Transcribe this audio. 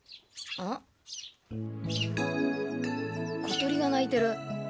小鳥が鳴いてる。